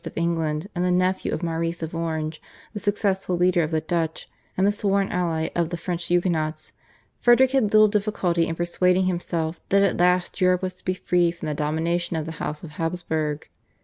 of England and the nephew of Maurice of Orange the successful leader of the Dutch and the sworn ally of the French Huguenots, Frederick had little difficulty in persuading himself that at last Europe was to be freed from the domination of the House of Habsburg.